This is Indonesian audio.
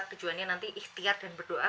tujuannya nanti ikhtiar dan berdoa